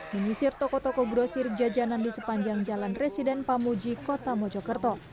menyisir toko toko grosir jajanan di sepanjang jalan residen pamuji kota mojokerto